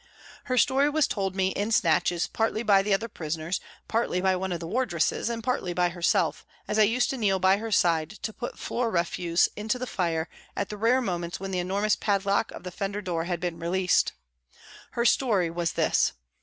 Her story was told me in snatches partly by the other prisoners, partly by one of the wardresses, and partly by her self as I used to kneel by her side to put floor refuse SOME TYPES OF PRISONERS 125 into the fire at the rare moments when the enormous padlock of the fender door had been released. Her story was this.